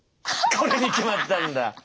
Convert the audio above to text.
これに決まったんだ。